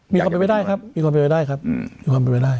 มีความเป็นไปได้ครับมีความเป็นไปได้ครับมีความเป็นไปได้